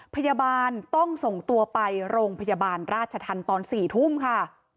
พยาบาลต้องส่งตัวไปโรงพยาบาลราชธรรมตอน๔ทุ่มค่ะ